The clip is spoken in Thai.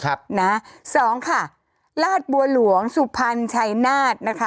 สองค่ะลาสบัวหลวงสุพรรณชัยนาธ